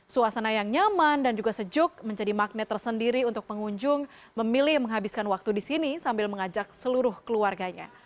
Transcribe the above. suasana yang nyaman dan juga sejuk menjadi magnet tersendiri untuk pengunjung memilih menghabiskan waktu di sini sambil mengajak seluruh keluarganya